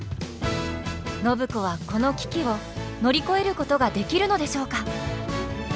暢子はこの危機を乗り越えることができるのでしょうか。